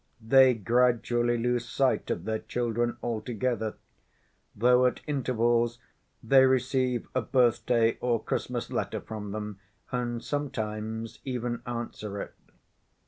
They gradually lose sight of their children altogether, though at intervals they receive a birthday or Christmas letter from them and sometimes even answer it.